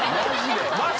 マジ？